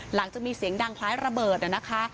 หลังจากมีเสียงดังคล้ายระเบิดนะคะ